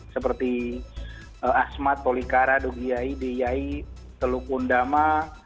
seperti asmat polikara dogiayi diyayi teluk undama